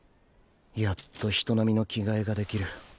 やっと人並みの着替えが出来る。